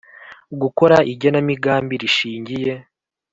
Gukora igenamigambi rishingiye